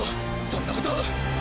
そんなこと！